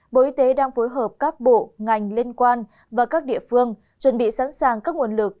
bộ y tế đang phối hợp các bộ ngành liên quan và các địa phương chuẩn bị sẵn sàng các nguồn lực